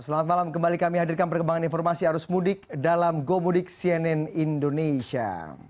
selamat malam kembali kami hadirkan perkembangan informasi arus mudik dalam gomudik cnn indonesia